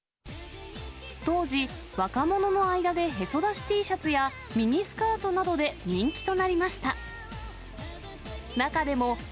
当時、若者の間でへそ出しＴシャツや、ミニスカートなどで人気となりました。